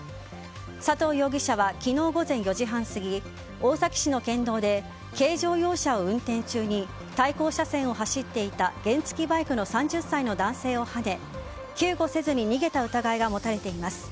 佐藤容疑者は昨日午前４時半過ぎ大崎市の県道で軽乗用車を運転中に対向車線を走っていた原付きバイクの３０歳の男性をはね救護せずに逃げた疑いが持たれています。